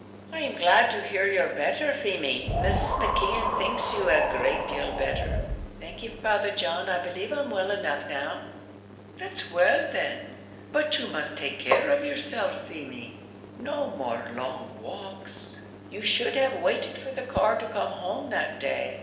"I am glad to hear you're better, Feemy. Mrs. McKeon thinks you a great deal better." "Thank ye, Father John; I believe I'm well enough now." "That's well, then; but you must take care of yourself, Feemy; no more long walks; you should have waited for the car to come home that day.